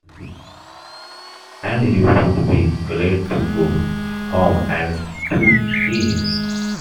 And you should be glad to go home, and to see him.